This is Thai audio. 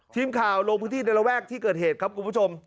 ทีมข่าวลงพื้นที่ในระแวกที่เกิดเหตุครับคุณผู้ชม